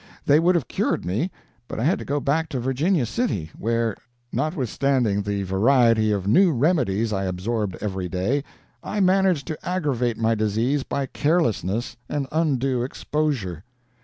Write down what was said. They would have cured me, but I had to go back to Virginia City, where, notwithstanding the variety of new remedies I absorbed every day, I managed to aggravate my disease by carelessness and undue exposure.